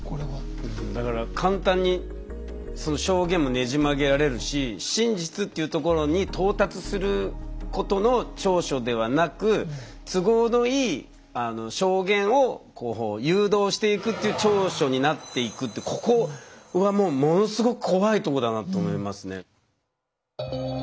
だから簡単にその証言もねじ曲げられるし真実っていうところに到達することの調書ではなく都合のいい証言を誘導していくっていう調書になっていくってここはもうものすごく怖いとこだなと思いますね。